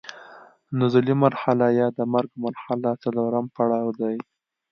نزولي مرحله یا د مرګ مرحله څلورم پړاو دی.